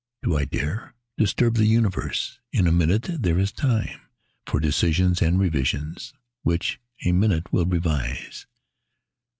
Do I dare Disturb the universe? In a minute there is time For decisions and revisions which a minute will reverse.